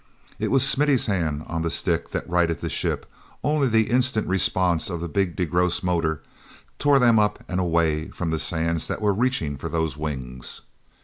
It was Smithy's hand on the stick that righted the ship; only the instant response of the big DeGrosse motor tore them up and away from the sands that were reaching for those wings.